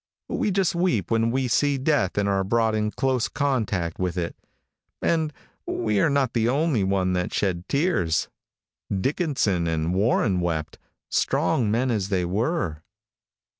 We just weep when we see death and are brought in close contact with it. And we were not the only one that shed tears. Dickinson and Warren wept, strong men as they were.